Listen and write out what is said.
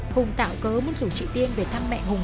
hùng tạo cớ một rủ chị tiên về thăm mẹ hùng